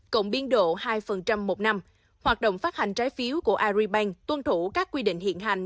cộng biên độ hai một năm hoạt động phát hành trái phiếu của agribank tuân thủ các quy định hiện hành